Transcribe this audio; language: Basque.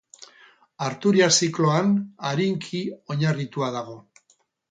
Arturiar Zikloan arinki oinarritua dago.